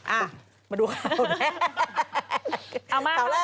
อ้าวมาดูคราวแรก